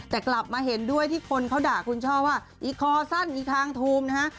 แต่กลับมาเห็นด้วยที่คนเขาด่าคุณช่อว่าอีคอสั้นอีทางทูมนะฮะ